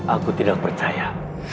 aku tidak percaya